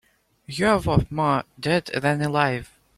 You're worth more dead than alive.